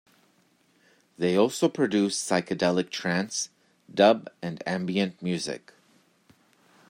They also produce psychedelic trance, dub and ambient music.